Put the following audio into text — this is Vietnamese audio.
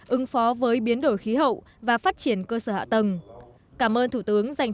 ứng phó với biến đổi khí hậu và phát triển cơ sở hạ tầng